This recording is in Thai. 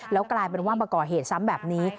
แล้วกลายเป็นว่ามาก่อเหตุซ้ำแบบนี้